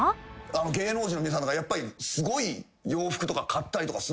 芸能人の皆さんとかやっぱりすごい洋服とか買ったりとかするのかなとか思いまして。